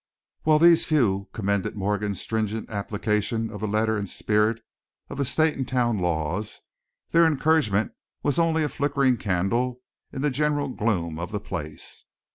While these few commended Morgan's stringent application of the letter and spirit of the state and town laws, their encouragement was only a flickering candle in the general gloom of the place.